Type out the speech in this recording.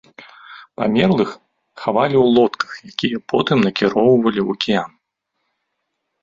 Памерлых хавалі ў лодках, якія потым накіроўвалі ў акіян.